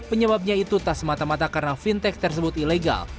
penyebabnya itu tak semata mata karena fintech tersebut ilegal